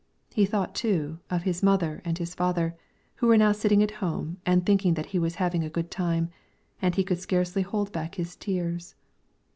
He thought, too, of his mother and his father, who were now sitting at home and thinking that he was having a good time, and he could scarcely hold back his tears.